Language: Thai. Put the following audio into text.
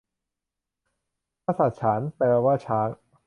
คชสาร แปลว่าช้าง